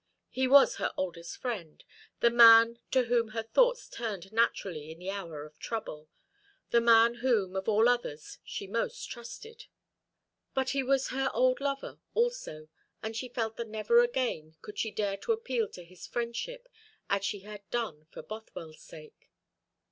He was her oldest friend, the man to whom her thoughts turned naturally in the hour of trouble, the man whom, of all others, she most trusted; but he was her old lover also, and she felt that never again could she dare to appeal to his friendship as she had done for Bothwell's sake.